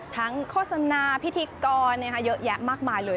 ทั้งโฆษณาพิธีกรนะคะเยอะแยะมากมายเลย